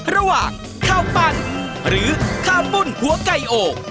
ระหว่างข้าวปั้นหรือข้าวปุ้นหัวไก่อก